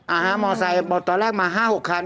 ฮะมอไซค์ตอนแรกมา๕๖คัน